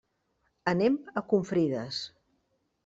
Anem a Confrides.